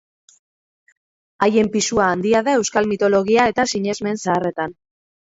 Haien pisua handia da euskal mitologia eta sinesmen zaharretan.